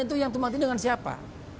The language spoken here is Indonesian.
itu yang tumpang tindih dengan siapa